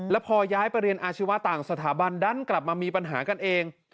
แล้วพอย้ายไปเรียนอาชีวะต่างสถาบันดันกลับมามีปัญหากันเอง